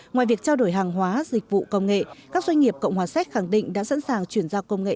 ngoài việc trao đổi hàng hóa dịch vụ công nghệ các doanh nghiệp cộng hòa séc khẳng định đã sẵn sàng chuyển giao công nghệ